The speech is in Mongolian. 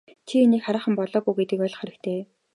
Чи инээх хараахан болоогүй гэдгийг ойлгох хэрэгтэй.